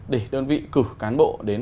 để đơn vị cử cán bộ đến